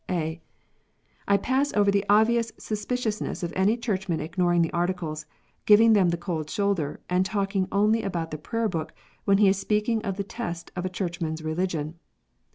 (a) I pass over the obvious suspiciousness of any Churchman ignoring the Articles, giving them the cold shoulder, and talk ing only about the Prayer book, when he is speaking of the tests of a Churchman s religion.